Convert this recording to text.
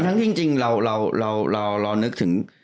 ทั้งที่จริงเรานึกถึง